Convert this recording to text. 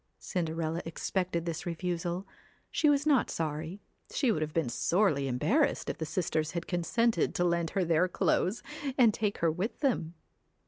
Cinderella expected this refusal. She was not sorry ; she would have been sorely embarrassed if the sisters had consented to lend her their clothes, and take her with them.